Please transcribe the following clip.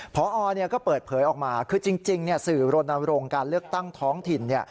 พอก็เปิดเผยออกมาคือจริงสื่อรณรงค์การเลือกตั้งท้องถิ่น